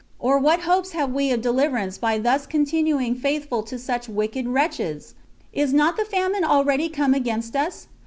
or what hopes have we of deliverance by thus continuing faithful to such wicked wretches? Is not the famine already come against us?